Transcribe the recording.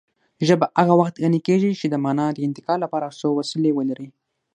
ژبه هغه وخت غني کېږي چې د مانا د انتقال لپاره څو وسیلې ولري